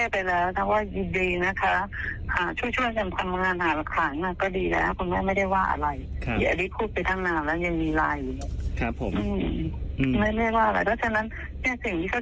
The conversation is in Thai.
ไปเลยยินดีคุณแม่ยินดีคุณแม่ก็บอกท่านเต้ไปแล้วว่ายินดีนะคะ